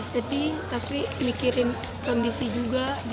sedih tapi mikirin kondisi juga di sini